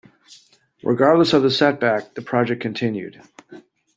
Regardless of the setback, the project continued.